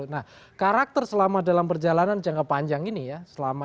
nah karakter selama dalam perjalanan jangka panjang ini ya